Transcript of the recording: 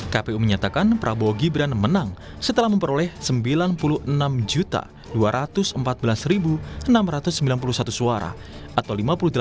kpu menyatakan prabowo gibran menang setelah memperoleh sembilan puluh enam dua ratus empat belas enam ratus sembilan puluh satu suara atau lima puluh delapan